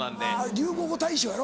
流行語大賞やろ？